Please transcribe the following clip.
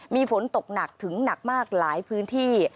มีฝนตกหนักถึงหนักมากหลายพื้นที่